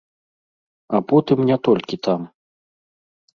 А потым не толькі там.